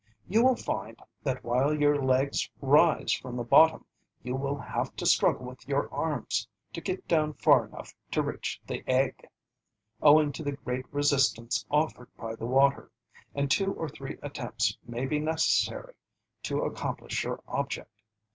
You will find that while your legs rise from the bottom you will have to struggle with your arms to get down far enough to reach the "egg," owing to the great resistance offered by the water, and two or three attempts may be necessary to accomplish your object.